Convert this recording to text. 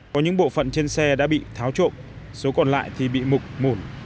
có những bộ phận trên xe đã bị tháo trộm số còn lại thì bị mục mủn